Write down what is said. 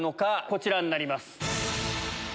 こちらになります。